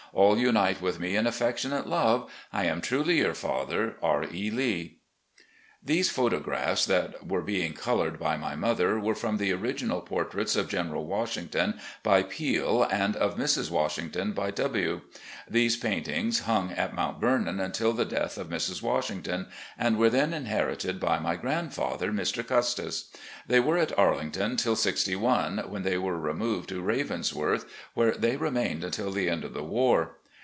All unite with me in affectionate love. I am, "Truly your father, "R. E. Lee." These photographs that were being coloured by my mother were from the original portraits of General Washington by Peale and of Mrs. Washington by W . These paintings hung at Mt. Vernon tmtil the death of Mrs. Washington, and were then inherited by my grand father, Mr. Custis. They were at "Arlington" till '6i, when they were removed to "Ravensworth," where they remained until the end of the war.